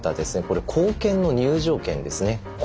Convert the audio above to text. これ硬券の入場券ですね。